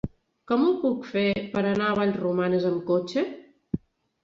Com ho puc fer per anar a Vallromanes amb cotxe?